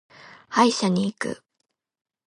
歯医者に行く。